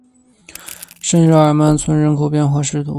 圣日耳曼村人口变化图示